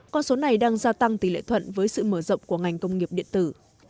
con số này đang gia tăng tỷ lệ thuận với sự mở rộng của ngành công nghiệp điện tử